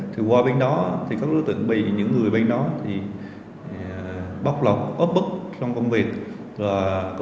thì qua bên đó các đối tượng bị những người bên đó bóc lột ớt bức trong công việc